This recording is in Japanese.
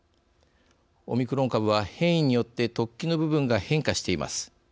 オミクロン株は変異によって突起の部分が変化しています。